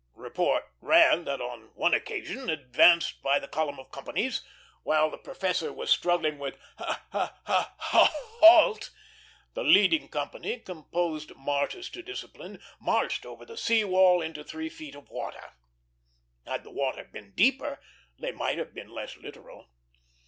Report ran that on one occasion, advancing by column of companies, while the professor was struggling with "H H H Halt!" the leading company, composed martyrs to discipline, marched over the sea wall into three feet of water. Had the water been deeper, they might have been less literal.